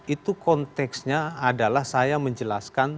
itu konteksnya adalah saya menjelaskan